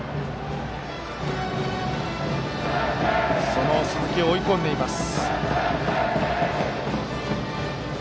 その鈴木を追い込んでいます。